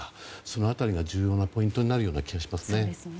その辺りが重要なポイントになるような気がしますね。